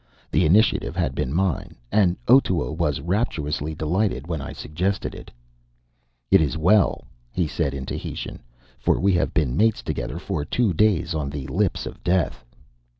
The initiative had been mine; and Otoo was rapturously delighted when I suggested it. "It is well," he said, in Tahitian. "For we have been mates together for two days on the lips of Death."